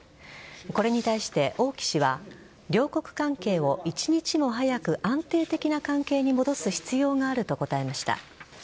これに対して、王毅氏は両国関係を一日も早く安定的な関係に戻す必要があると答えました。